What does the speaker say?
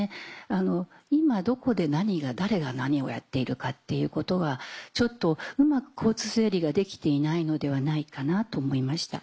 今どこで何が誰が何をやっているかっていうことがちょっとうまく交通整理ができていないのではないかなと思いました。